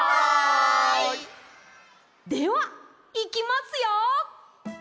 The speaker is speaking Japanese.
ではいきますよ。